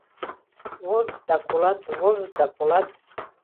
Возыт да колат, возыт да колат...